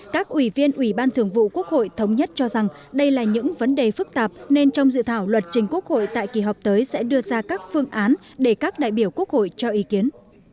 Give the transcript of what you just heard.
các ủy viên ủy ban thường vụ quốc hội thống nhất cho rằng đây là những vấn đề phức tạp nên trong dự thảo luật trình quốc hội tại kỳ họp tới sẽ đưa ra các phương án để các đại biểu quốc hội cho ý kiến